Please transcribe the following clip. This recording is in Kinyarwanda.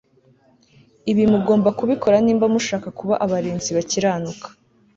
Ibi mugomba kubikora niba mushaka kuba abarinzi bakiranuka